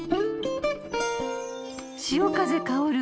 ［潮風香る